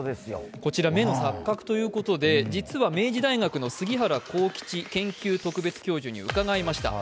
こちら、目の錯覚ということで、明治大学の杉原厚吉研究特別教授に伺いました。